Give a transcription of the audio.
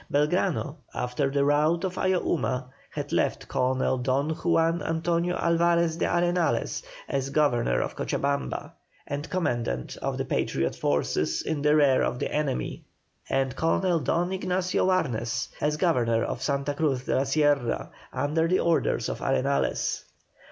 Belgrano after the rout of Ayohuma had left Colonel Don JUAN ANTONIO ALVAREZ DE ARENALES as governor of Cochabamba and commandant of the Patriot forces in the rear of the enemy, and Colonel Don Ignacio Warnes as governor of Santa Cruz de la Sierra, under the orders of Arenales.